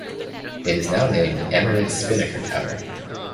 It is now named "Emirates Spinnaker Tower".